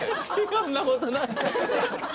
そんなことない！